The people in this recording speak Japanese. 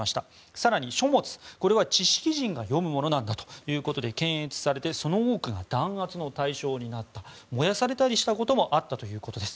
更に書物、これは知識人が読むものだということで検閲されてその多くが弾圧の対象になった燃やされたりしたこともあったということです。